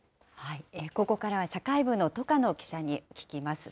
ここからは社会部の戸叶記者に聞きます。